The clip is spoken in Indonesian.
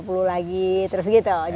besok tiga puluh lagi terus gitu